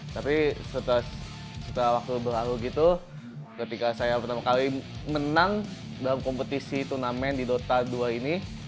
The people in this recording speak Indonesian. tapi setelah waktu berlalu gitu ketika saya pertama kali menang dalam kompetisi turnamen di dota dua ini